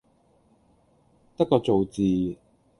得個做字